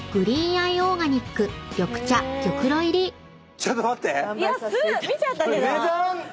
ちょっと待って！